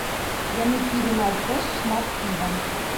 Яны пілі наўпрост шмат піва.